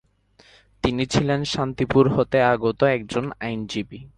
তিনি ছিলেন শান্তিপুর হতে আগত একজন আইনজীবী।